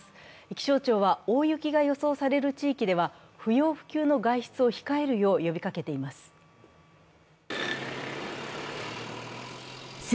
気象庁は、大雪が予想される地域では不要不急の外出を控えるよう呼びかけています。